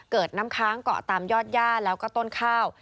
เกิดน้ำค้างเกาะตามยอดย่าแล้วก็ต้นข้าว